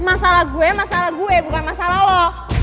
masalah gue masalah gue bukan masalah loh